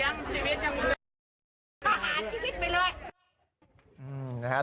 อาหารชีวิตไปเลย